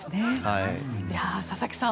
佐々木さん